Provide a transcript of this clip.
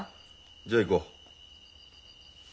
じゃあ行こう。